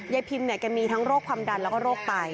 พิมเนี่ยแกมีทั้งโรคความดันแล้วก็โรคไต